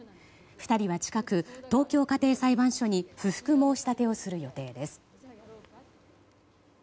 ２人は近く東京家庭裁判所に不服申し立てをする予定です。